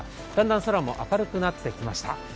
だんだん空も明るくなってきました。